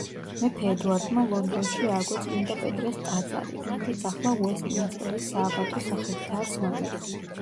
მეფე ედუარდმა ლონდონში ააგო წმინდა პეტრეს ტაძარი, რომელიც ახლა უესტმინსტერის სააბატოს სახელითაა ცნობილი.